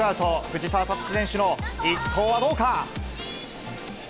藤澤五月選手の一投はどうか。